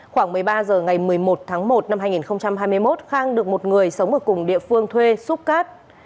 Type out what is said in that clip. khoảng một mươi ba h ngày một mươi một tháng một năm hai nghìn hai mươi một khang được một người sống ở cùng địa phương thuê xúc cát